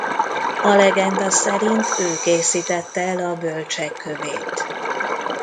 A legenda szerint ő készítette el a Bölcsek kövét.